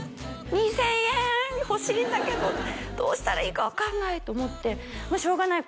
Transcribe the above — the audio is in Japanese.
２０００円欲しいんだけどどうしたらいいか分かんないと思ってもうしょうがない